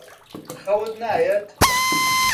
خەوت نایەت؟